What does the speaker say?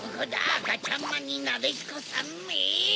あかちゃんまんになでしこさんめ！